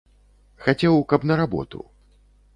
Хацеў, каб на работу.